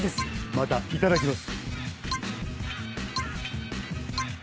またいただきます。